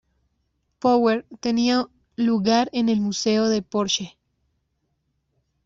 Power" tenía lugar en el Museo de Porsche.